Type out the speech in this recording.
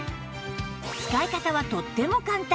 使い方はとっても簡単